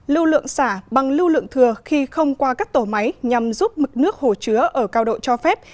lưu lượng xả bằng lưu lượng thừa khi không qua các tổ máy nhằm giúp mực nước hồ chứa ở cao độ cho phép